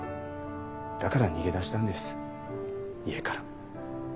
だから逃げ出したんです家から。